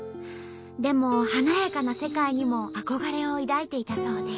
でも華やかな世界にも憧れを抱いていたそうで。